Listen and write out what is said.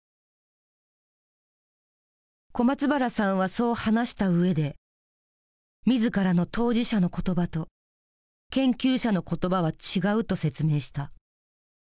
小松原さんはそう話した上で自らの「当事者」の言葉と「研究者」の言葉は違うと説明した。